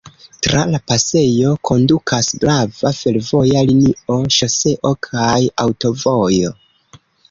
Tra la pasejo kondukas grava fervoja linio, ŝoseo kaj aŭtovojo.